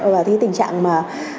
và cái tình trạng mà